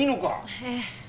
ええ。